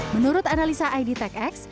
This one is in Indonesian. menurut analisa id tech x